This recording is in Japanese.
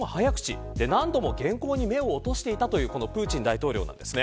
そして何度も原稿に目を落としていたというプーチン大統領です。